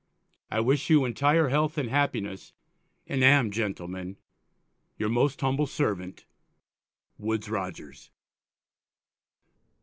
I wish you intire Health and Happiness, and am, GENTLEMEN, Your most Humble Servant, WOODES ROGERS.